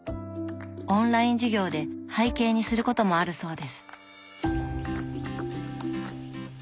オンライン授業で背景にすることもあるそうです。